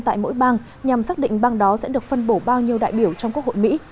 tại mỗi bang nhằm xác định bang đó sẽ được phân bổ bao nhiêu đại biểu trong quốc hội mỹ